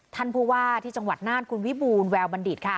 ท่านผู้ว่าที่จังหวัดน่านคุณวิบูลแววบัณฑิตค่ะ